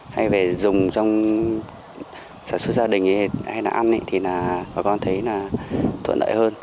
hay về dùng trong sản xuất gia đình hay là ăn thì là bà con thấy là thuận lợi hơn